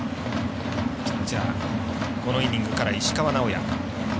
ピッチャー、このイニングから石川直也。